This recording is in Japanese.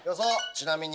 ちなみに。